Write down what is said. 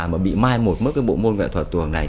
mà bị mai một mất cái bộ ngôn nghệ thuật tuồng này